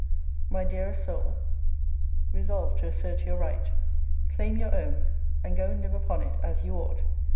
My dearest soul, resolve to assert your right. Claim your own, and go and live upon it, as you ought.